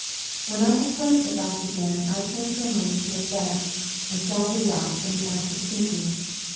When I had closed the flask again, I turned for a moment to look back, and saw the yacht in the act of sinking.